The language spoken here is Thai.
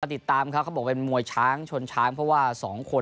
ติดตามเขาเขาบอกเป็นมวยช้างชนช้างเพราะว่าสองคน